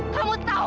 kamu tahu kenapa